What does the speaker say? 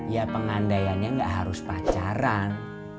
ya pengandainya gak harus pacaran